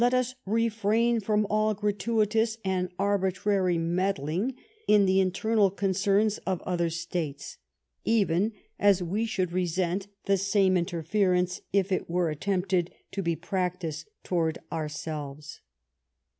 Let us refrain from all gratuitous and arbitrary med * dling in the internal concerns of other States, even as we should resent the same interference if it were attempted to be practised towards our selves.